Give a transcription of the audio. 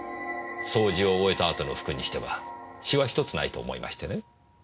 掃除を終えた後の服にしてはシワひとつないと思いましてね。